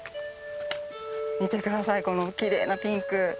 見て下さいこのきれいなピンク。